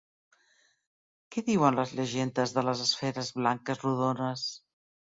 Què diuen les llegendes de les esferes blanques rodones?